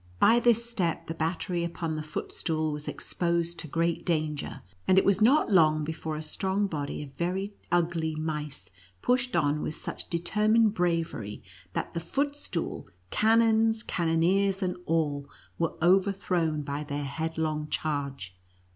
By this step the battery upon the footstool was exposed to great danger, and it was not long before a strong body of very ugly mice pushed on with such determined bra very, that the footstool, cannons, cannoniers and all were overthrown by their headlong charge.